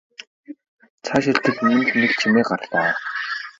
Цаашилтал мөн л нэг чимээ гарлаа.